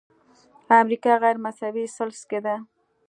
امریکا غیرمساوي ثلث کې ده.